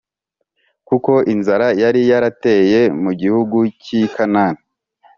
Kuko inzara yari yarateye mu gihugu cy i kanani